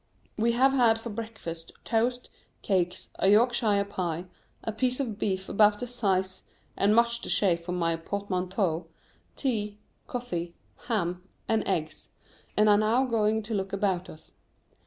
We have had for breakfast, toast, cakes, a Yorkshire pie, a piece of beef about the size and much the shape of my portmanteau, tea, coffee, ham, and eggs; and are now going to look about us.